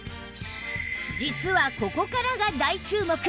実はここからが大注目！